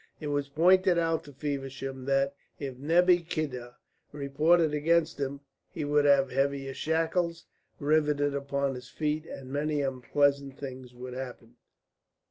It was pointed out to Feversham that if Nebbi Khiddr reported against him, he would have heavier shackles riveted upon his feet, and many unpleasant things would happen.